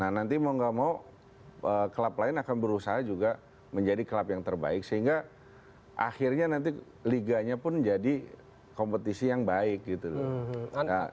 nah nanti mau gak mau klub lain akan berusaha juga menjadi klub yang terbaik sehingga akhirnya nanti liganya pun jadi kompetisi yang baik gitu loh